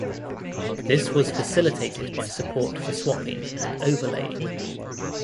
This was facilitated by support for swapping and overlaying.